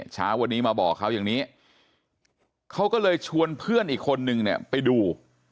เช้าวันนี้มาบอกเขาอย่างนี้เขาก็เลยชวนเพื่อนอีกคนนึงเนี่ยไปดู